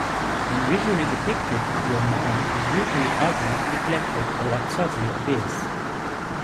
When visually depicted, "your mom" is usually ugly, neglected or absurdly obese.